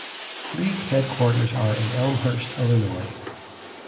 League headquarters are in Elmhurst, Illinois.